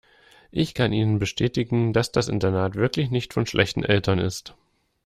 Ich kann Ihnen bestätigen, dass das Internat wirklich nicht von schlechten Eltern ist.